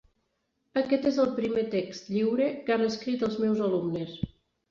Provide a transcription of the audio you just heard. Aquest és el primer text lliure que han escrit els meus alumnes.